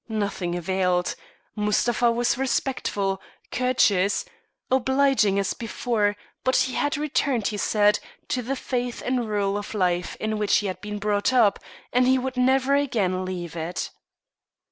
Nothing availed. Mustapha was respectful, courteous, obliging as before, but he had returned, he said, to the faith and rule of life in which he had been brought up, and he would never again leave it.